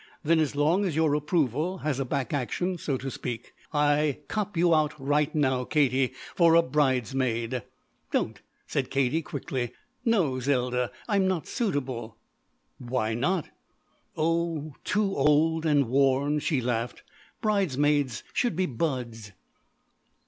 "Then as long as your approval has a back action, so to speak, I cop you out right now, Katie, for a bridesmaid." "Don't," said Katie quickly. "No, Zelda, I'm not suitable." "Why not?" "Oh, too old and worn," she laughed. "Bridesmaids should be buds."